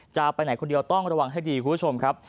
จะไปไหนคนเดียวต้องระวังให้ดีคุณผู้ชมครับ